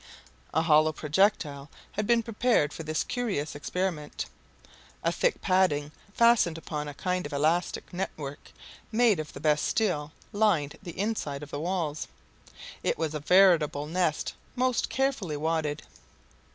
A hollow projectile had been prepared for this curious experiment. A thick padding fastened upon a kind of elastic network, made of the best steel, lined the inside of the walls. It was a veritable nest most carefully wadded.